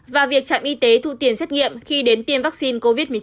và việc trạm y tế thu tiền xét nghiệm khi đến tiêm vaccine covid một mươi chín